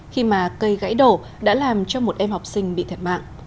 khi mà cây gãy đổ đã làm cho một em học sinh bị thiệt mạng